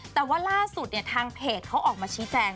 แต่ว่าล่าสุดเนี่ยทางเพจเขาออกมาชี้แจง